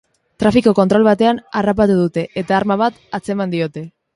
Trafiko kontrol batean harrapatu dute, eta arma bat atzeman diote.